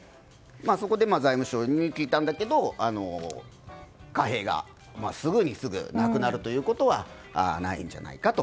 そこで財務省に聞いたんだけど貨幣がすぐになくなることはないんじゃないかと。